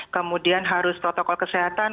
kemudian harus protokol kesehatan